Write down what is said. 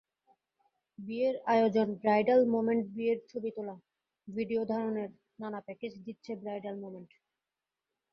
বিয়ের আয়োজনব্রাইডাল মোমেন্টবিয়ের ছবি তোলা, ভিডিও ধারণের নানা প্যাকেজ দিচ্ছে ব্রাইডাল মোমেন্ট।